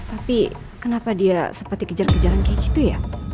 tapi kenapa dia seperti kejar kejaran kayak gitu ya